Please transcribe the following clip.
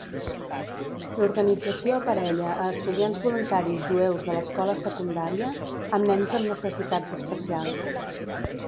L'organització aparella a estudiants voluntaris jueus de l'escola secundària amb nens amb necessitats especials.